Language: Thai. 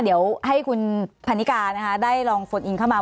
เดี๋ยวให้คุณพันนิกานะคะได้ลองโฟนอินเข้ามา